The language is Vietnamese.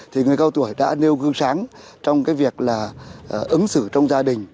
thì người cao tuổi đã nêu gương sáng trong cái việc là ứng xử trong gia đình